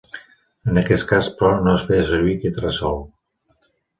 En aquest cas, però, no es feia servir quitrà sol.